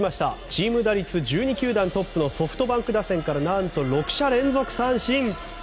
チーム打率１２球団トップのソフトバンク打線からなんと６者連続三振。